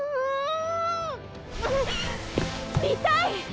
見たい！